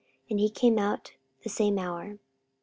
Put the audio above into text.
And he came out the same hour.